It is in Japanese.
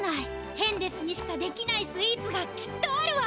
ヘンデスにしかできないスイーツがきっとあるわ！